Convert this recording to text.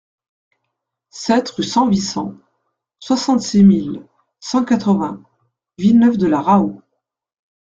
sept rue San Vicens, soixante-six mille cent quatre-vingts Villeneuve-de-la-Raho